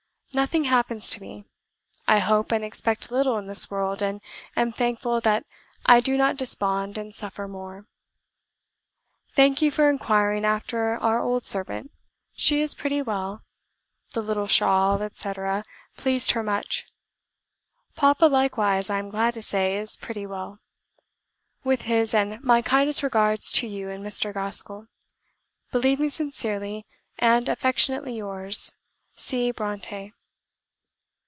Nothing happens to me. I hope and expect little in this world, and am thankful that I do not despond and suffer more. Thank you for inquiring after our old servant; she is pretty well; the little shawl, etc., pleased her much. Papa likewise, I am glad to say, is pretty well; with his and my kindest regards to you and Mr. Gaskell Believe me sincerely and affectionately yours, C. BRONTË."